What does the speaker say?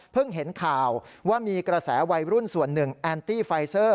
เห็นข่าวว่ามีกระแสวัยรุ่นส่วนหนึ่งแอนตี้ไฟเซอร์